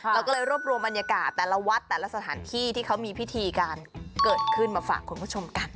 เราก็เลยรวบรวมบรรยากาศแต่ละวัดแต่ละสถานที่ที่เขามีพิธีการเกิดขึ้นมาฝากคุณผู้ชมกัน